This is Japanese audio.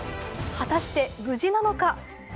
果たして無事なのか？